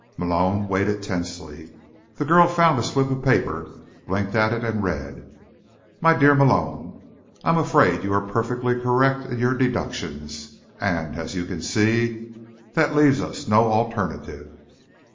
Malone waited tensely. The girl found a slip of paper, blinked at it and read: "My dear Malone, I'm afraid you are perfectly correct in your deductions; and, as you can see, that leaves us no alternative.